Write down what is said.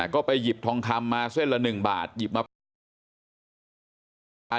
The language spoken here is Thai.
ก็ไปหยิบทองคำมาเส้นละ๑บาทหยิบมาแปะ